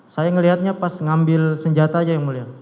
saya melihatnya pas mengambil senjata saja yang mulia